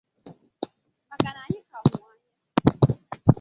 maka na anyị ka mụ anya